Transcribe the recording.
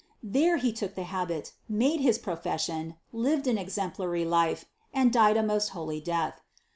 There he took the habit, made his profession, lived an exemplary life, and died a most holy death.